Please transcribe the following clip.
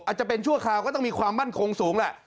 อาจจะเป็นชั่วคราวก็ต้องมีความมั่นคงสูงแหละ